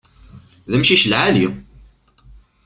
D amcic lɛali!